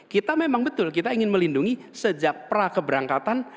kita memang betul kita ingin melindungi sejak prakeberangkatan